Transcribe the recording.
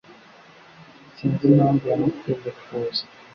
Sinzi impamvu yamuteye kuza.